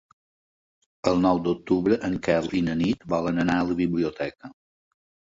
El nou d'octubre en Quel i na Nit volen anar a la biblioteca.